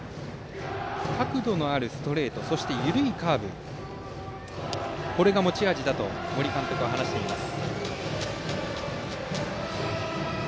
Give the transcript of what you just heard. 角度のあるストレートと緩いカーブが持ち味だと森監督は話しています。